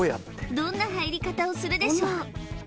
どんな入り方をするでしょうえーっ